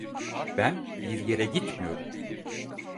Ben bir yere gitmiyorum.